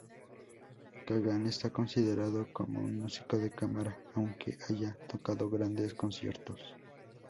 Kagan está considerado como un músico de cámara aunque haya tocado grandes conciertos.